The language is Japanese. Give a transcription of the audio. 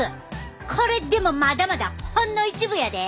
これでもまだまだほんの一部やで！